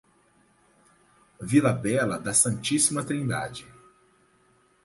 Vila Bela da Santíssima Trindade